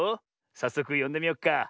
さっそくよんでみよっか。